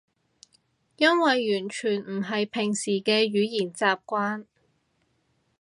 因為完全唔係平時嘅語言習慣